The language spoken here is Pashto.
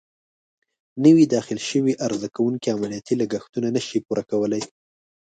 نوي داخل شوي عرضه کوونکې عملیاتي لګښتونه نه شي پوره کولای.